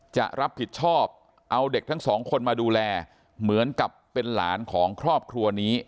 จะรับผิดชอบเอาเด็กทั้งสองคนมาดูแลเหมือนกับเป็นหลานของครอบครัวนี้